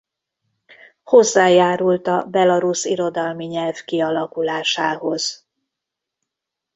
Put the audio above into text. Hozzájárult a belarusz irodalmi nyelv kialakulásához.